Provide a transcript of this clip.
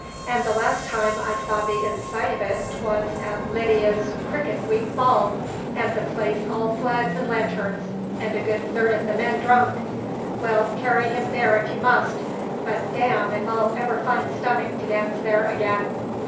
"And the last time I saw the inside of it 'twas at Lydia's Cricket Week Ball and the place all flags and lanterns, and a good third of the men drunk! Well, carry him there if you must, but damme if I'll ever find stomach to dance there again!"